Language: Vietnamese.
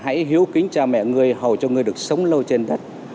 hãy hiếu kính cha mẹ người hầu cho người được sống lâu trên đất